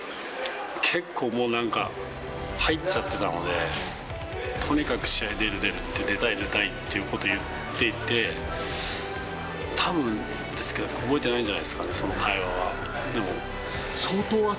結構もう、なんか、入っちゃってたので、とにかく試合に出る出る、出たい出たいっていうことを言っていて、たぶん覚えてないんじゃないですかね、その会話は。